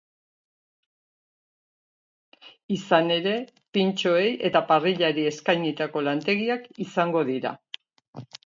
Izan ere, pintxoei eta parrillari eskainitako lantegiak izango dira.